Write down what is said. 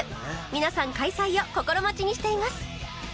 皆さん開催を心待ちにしています